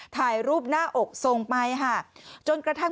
ถ่ายรูปหน้าอกส่งไปจนกระทั้ง